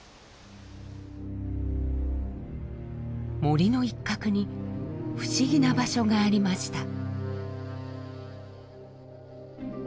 森の一角に不思議な場所がありました。